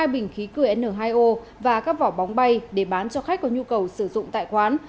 một mươi bình khí cười n hai o và các vỏ bóng bay để bán cho khách có nhu cầu sử dụng tại quán